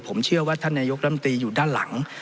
ผมเชื่อว่าท่านนายกรัมตีอยู่ด้านหลัง